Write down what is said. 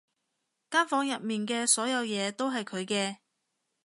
間房入面嘅所有嘢都係佢嘅